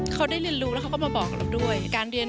เขาได้เรียนรู้แล้วเขาก็มาบอกกับเราด้วย